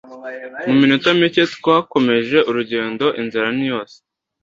Muminota mike twakomeje urugendo inzara niyose.